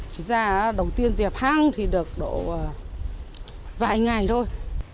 chỉ ra đầu tiên dẹp hang thì được độ vài ngày thôi